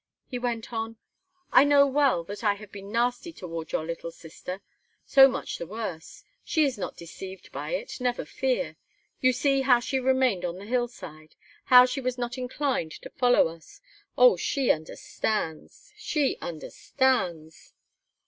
He went on: "I know well that I have been nasty toward your little sister. So much the worse. She is not deceived by it, never fear. You see how she remained on the hillside, how she was not inclined to follow us. Oh! she understands! she understands!"